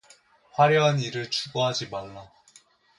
화려한 일을 추구하지 말라.